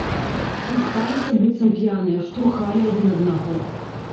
Хісталіся, быццам п'яныя, штурхалі адзін аднаго.